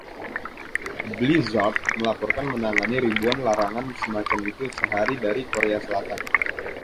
Blizzard melaporkan menangani ribuan larangan semacam itu sehari dari Korea Selatan.